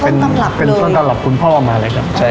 ต้นตำลับเลยเป็นต้นตำลับคุณพ่อเอามาเลยครับใช่